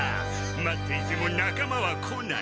待っていてもなかまは来ない！